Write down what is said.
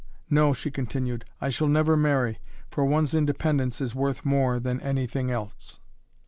No," she continued, "I shall never marry, for one's independence is worth more than anything else.